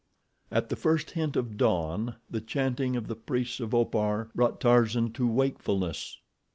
At the first hint of dawn the chanting of the priests of Opar brought Tarzan to wakefulness.